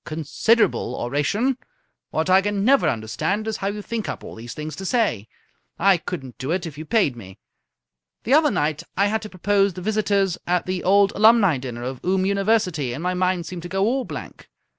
"Considerable oration! What I can never understand is how you think up all these things to say. I couldn't do it if you paid me. The other night I had to propose the Visitors at the Old Alumni dinner of Oom University, and my mind seemed to go all blank.